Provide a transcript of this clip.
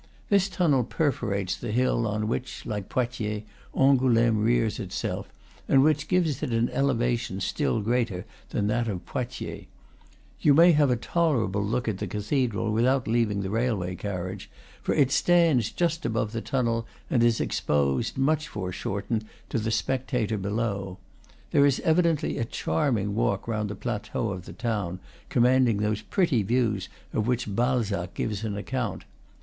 This tunnel perforates the hill on which, like Poitiers, Angouleme rears itself, and which gives it an eleva tion still greater than that of Poitiers. You may have a tolerable look at the cathedral without leaving the railway carriage; for it stands just above the tunnel, and is exposed, much foreshortened, to the spectator below. There is evidently a charming walk round the plateau of the town, commanding those pretty views of which Balzac gives an account.